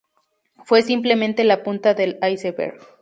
Fue simplemente la punta del iceberg.